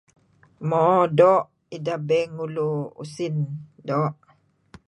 Mo do' ideh bank ngulu usin. Do'.